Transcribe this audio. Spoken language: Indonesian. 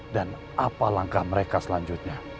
dan apa langkah mereka selanjutnya